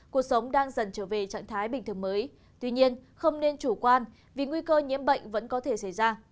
các bạn không nên chủ quan vì nguy cơ nhiễm bệnh vẫn có thể xảy ra